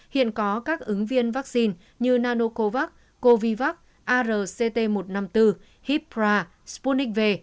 hiện có các ứng viên vaccine như nanocovax covivax arct một trăm năm mươi bốn hipra sputnik v